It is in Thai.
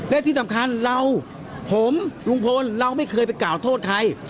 และที่สำคัญเราผมลุงพลเราไม่เคยไปกล่าวโทษใคร